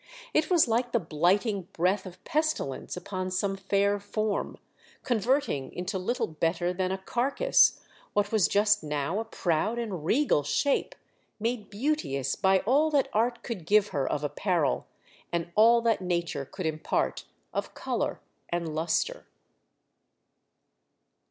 It was like the blighting breath of pestilence upon some fair form, converting into little better than a carcase what was just now a proud and regal shape, made beauteous by all that art could give her of apparel, and all that nature could impart of colour and lustre.